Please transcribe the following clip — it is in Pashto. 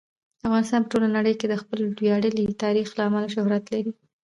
افغانستان په ټوله نړۍ کې د خپل ویاړلي تاریخ له امله پوره شهرت لري.